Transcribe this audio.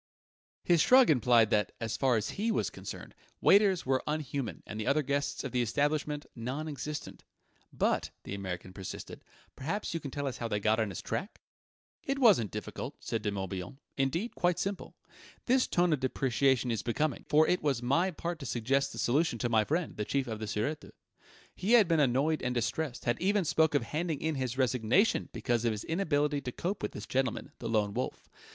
His shrug implied that, as far as he was concerned, waiters were unhuman and the other guests of the establishment non existent. "But," the American persisted, "perhaps you can tell us how they got on his track?" "It wasn't difficult," said De Morbihan: "indeed, quite simple. This tone of depreciation is becoming, for it was my part to suggest the solution to my friend, the Chief of the Sûreté. He had been annoyed and distressed, had even spoken of handing in his resignation because of his inability to cope with this gentleman, the Lone Wolf.